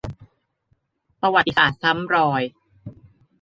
ประวัติศาสตร์ซ้ำรอย